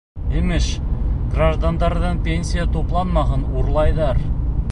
Имеш, граждандарҙың пенсия тупланмаһын урлайҙар!